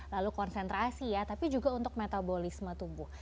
lalu konsentrasi ya tapi juga untuk metabolisme tubuh